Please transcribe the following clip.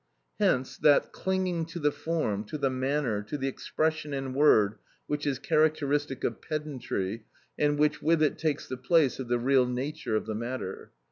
Hence that clinging to the form, to the manner, to the expression and word which is characteristic of pedantry, and which with it takes the place of the real nature of the matter.